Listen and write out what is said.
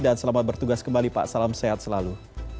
dan selamat bertugas kembali pak salam sehat selalu